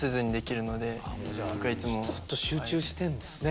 ずっと集中してんですね。